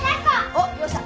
おっよっしゃ！